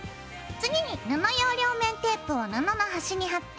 次に布用両面テープを布の端に貼って。